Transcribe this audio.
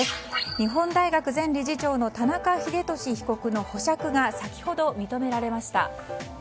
日本大学前理事長の田中英寿被告の保釈が先ほど認められました。